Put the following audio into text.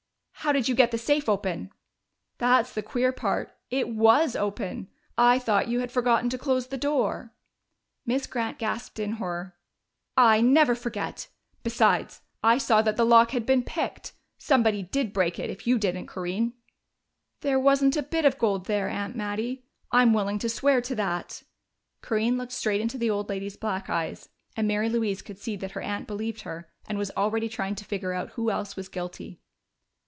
"How did you get the safe open?" "That's the queer part. It was open! I thought you had forgotten to close the door." Miss Grant gasped in horror. "I never forget. Besides, I saw that the lock had been picked. Somebody did break it, if you didn't, Corinne." "There wasn't a bit of gold there, Aunt Mattie. I'm willing to swear to that!" Corinne looked straight into the old lady's black eyes, and Mary Louise could see that her aunt believed her and was already trying to figure out who else was guilty.